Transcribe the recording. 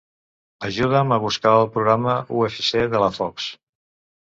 Ajuda'm a buscar el programa UFC de la Fox.